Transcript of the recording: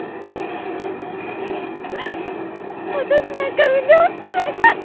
私なんか産んでほしくなかった。